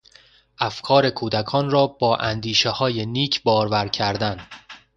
افکار کودکان را با اندیشههای نیک بارور کردن